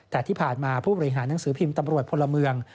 แต่ที่ผ่านมาผู้บริหารหนังสือพิมพ์ตำรวจพลเมือง